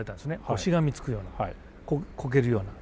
しがみつくようなこけるような。